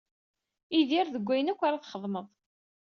Idir deg wayen akk ara txedmeḍ.